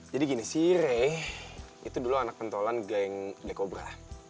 jadi gini sih ray itu dulu anak pentolan geng gekobra